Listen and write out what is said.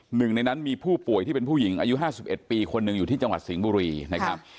หนึ่งในนั้นมีผู้ป่วยที่เป็นผู้หญิงอายุ๕๑ปีคนหนึ่งอยู่ที่จังหวัดสิงห์บุรีนะครับ